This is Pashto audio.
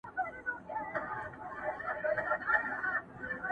پروت پر ګیله منو پېغلو شونډو پېزوان څه ویل!.